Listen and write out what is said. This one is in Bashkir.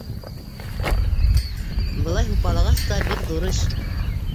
Былай һупалағас та бик ҙур эш.